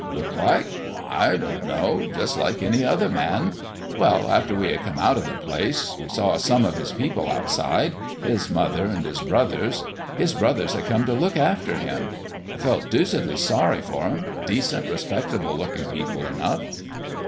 "Look like? Oh, I don't know; just like any other man. Well, after we had come out of the place, we saw some of His people outside His mother and His brothers. His brothers had come to look after Him. I felt deucedly sorry for 'em decent, respectable looking people enough."